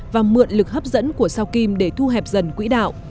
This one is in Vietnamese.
và mượn lực hấp dẫn của sao kim để thu hẹp dần quỹ đạo